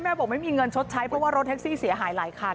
แม่บอกไม่มีเงินชดใช้เท็กซี่เสียหายหลายคัน